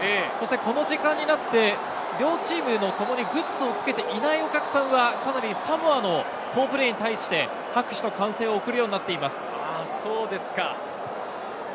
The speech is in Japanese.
この時間になって両チームのグッズをつけていないお客さんがサモアの好プレーに対して拍手と歓声を送るようになっています。